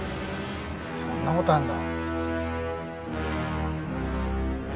そんなことあるんだ。